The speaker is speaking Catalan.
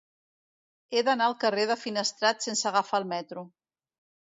He d'anar al carrer de Finestrat sense agafar el metro.